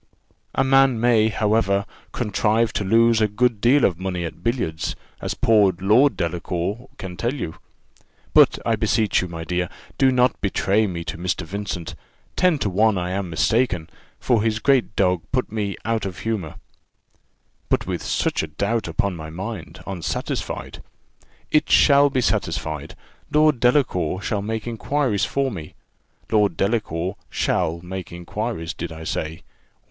"A man may, however, contrive to lose a good deal of money at billiards, as poor Lord Delacour can tell you. But I beseech you, my dear, do not betray me to Mr. Vincent; ten to one I am mistaken, for his great dog put me out of humour " "But with such a doubt upon my mind, unsatisfied " "It shall be satisfied; Lord Delacour shall make inquiries for me. Lord Delacour shall make inquiries, did I say?